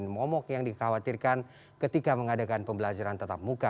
momok yang dikhawatirkan ketika mengadakan pembelajaran tetap muka